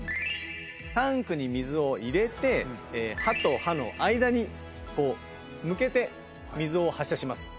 タンクに水を入れて歯と歯の間に向けて水を発射します。